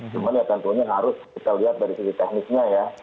cuma ya tentunya harus kita lihat dari sisi teknisnya ya